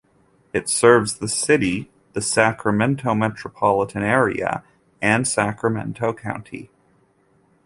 It serves the city, the Sacramento metropolitan area, and Sacramento County.